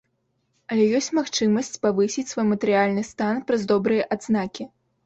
Але ёсць магчымасць павысіць свой матэрыяльны стан праз добрыя адзнакі.